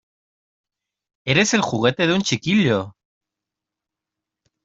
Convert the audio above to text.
¡ Eres el juguete de un chiquillo!